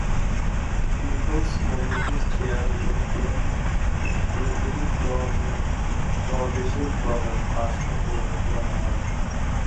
People's কমিটির chairman হলেন প্রতিটি প্রদেশের প্রধান, পাঁচটি পৌরসভা ছাড়া।